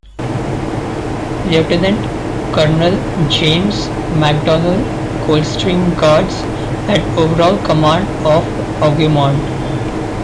Lieutenant-Colonel James Macdonnell, Coldstream Guards, had overall command of Hougoumont.